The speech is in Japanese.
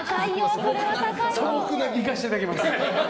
行かせていただきます。